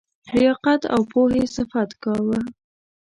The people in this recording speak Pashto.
لیاقت او پوهي صفت کاوه.